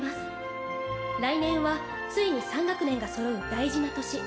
来年はついに３学年がそろう大事な年。